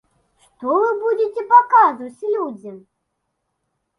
Што вы будзеце паказваць людзям?